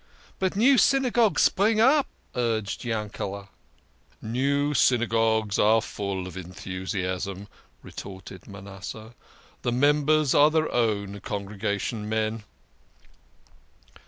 " But new Synagogues spring up," urged Yankele". "New Synagogues are full of enthusiasm," retorted Manasseh. "The members are their own congregation men."